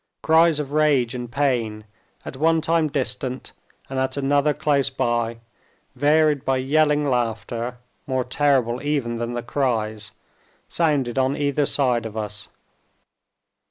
Cries of rage and pain, at one time distant and at another close by, varied by yelling laughter, more terrible even than the cries, sounded on either side of us.